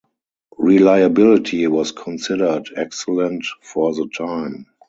Reliability was considered excellent for the time.